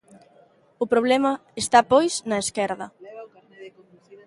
O problema está pois na esquerda.